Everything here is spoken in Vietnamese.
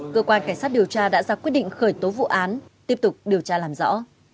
cơ quan cảnh sát điều tra đã ra quyết định khởi tố vụ án tiếp tục điều tra làm rõ